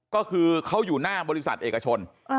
ก็คือเขาอยู่หน้าบริษัทเอกชน